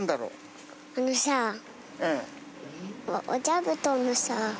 うん。